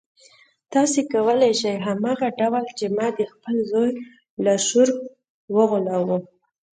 تاسې کولای شئ هماغه ډول چې ما د خپل زوی لاشعور وغولاوه.